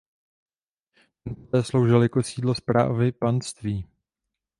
Ten poté sloužil jako sídlo správy panství.